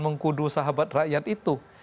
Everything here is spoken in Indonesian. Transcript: mengkudu sahabat rakyat itu